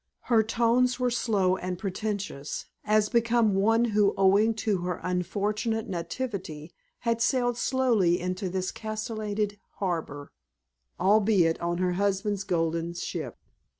Her tones were slow and portentious, as became one who, owing to her unfortunate nativity, had sailed slowly into this castellated harbor, albeit on her husband's golden ship.